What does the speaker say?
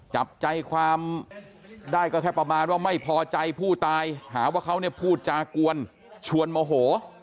จับใจความได้ก็แค่ประมาณว่าไม่พอใจผู้ตายหาว่าเขาเนี่ยพูดจากวนชวนโมโห